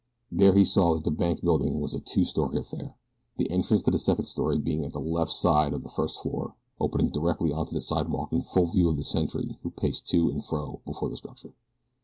There he saw that the bank building was a two story affair, the entrance to the second story being at the left side of the first floor, opening directly onto the sidewalk in full view of the sentry who paced to and fro before the structure.